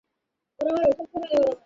আমার মরার বিন্দুমাত্র ইচ্ছা নেই।